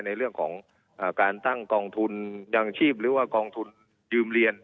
ในเรื่องของการตั้งกองทุนยังชีพหรือว่ากองทุนยืมเรียน